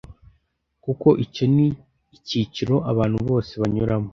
kuko icyo ni icyiciro abantu bose banyuramo